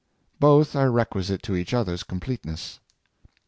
Both are requisite to each other's completeness.